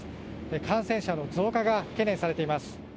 感染者の増加が懸念されています。